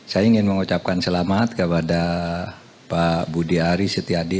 saya ingin mengucapkan selamat kepada pak budi ari setiadi